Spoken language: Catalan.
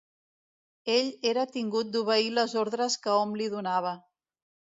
Ell era tingut d'obeir les ordres que hom li donava.